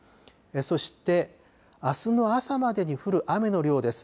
そしてあすの朝までに降る雨の量です。